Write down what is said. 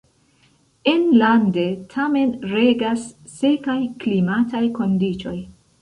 Enlande tamen regas sekaj klimataj kondiĉoj.